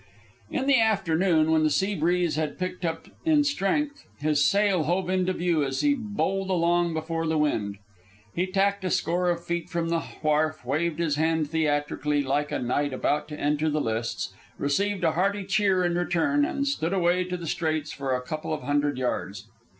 In the afternoon, when the sea breeze had picked up in strength, his sail hove into view as he bowled along before the wind. He tacked a score of feet from the wharf, waved his hand theatrically, like a knight about to enter the lists, received a hearty cheer in return, and stood away into the Straits for a couple of hundred yards.